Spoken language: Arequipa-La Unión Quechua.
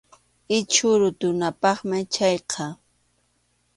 Ichhu rutunapaqmi chayqa.